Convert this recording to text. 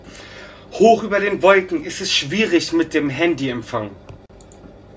Hoch über den Wolken ist es schwierig mit dem Handyempfang.